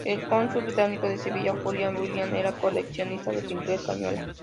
El cónsul británico en Sevilla, Julian Williams, era coleccionista de pintura española.